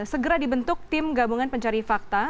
segera dibentuk tim gabungan pencari fakta